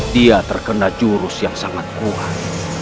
dia terkena jurus yang sangat kuat